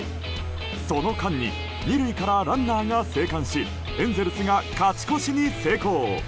その間に２塁からランナーが生還しエンゼルスが勝ち越しに成功。